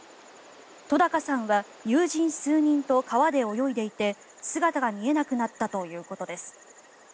戸高さんは友人数人と川で泳いでいて姿が見えなくなったということです。